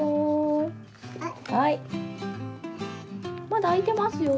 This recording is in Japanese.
まだあいてますよ。